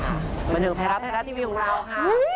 บรรยากาศไทยรัฐทีวีของเราค่ะ